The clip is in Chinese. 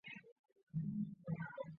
属于移调乐器。